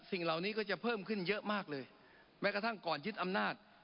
สิ่งเหล่านี้ก็จะเพิ่มขึ้นเยอะมากเลยแม้กระทั่งก่อนยึดอำนาจ